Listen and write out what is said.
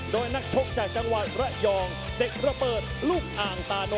โดยนักชกจากจังหวัดระยองเด็กระเบิดลูกอ่างตาโน